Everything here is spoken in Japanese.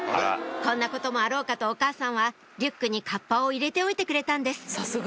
こんなこともあろうかとお母さんはリュックにカッパを入れておいてくれたんです